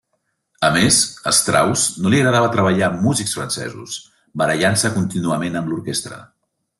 A més, a Strauss no li agradava treballar amb músics francesos, barallant-se contínuament amb l'orquestra.